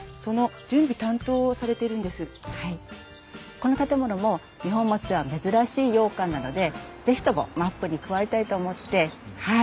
この建物も二本松では珍しい洋館なので是非ともマップに加えたいと思ってはい。